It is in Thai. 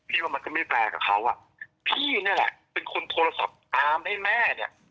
ว่ามันจะไม่แฟร์กับเขาอ่ะพี่นี่แหละเป็นคนโทรศัพท์ตามให้แม่เนี่ย